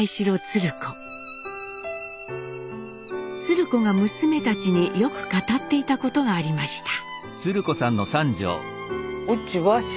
鶴子が娘たちによく語っていたことがありました。